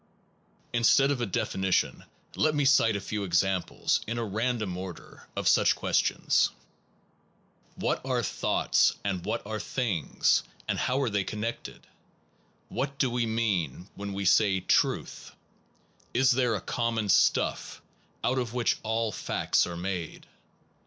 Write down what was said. Instead of a definition let me cite a few examples, in a random order, of such questions: What are thoughts, and what are things ? and how are they connected? What do we mean when we say truth ? Is there a common stuff out of which all facts are made?